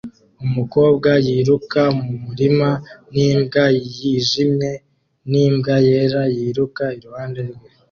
Umukobwa yiruka mu murima n'imbwa yijimye n'imbwa yera yiruka iruhande rwe